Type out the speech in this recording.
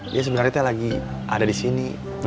dia sebenernya lagi ada disini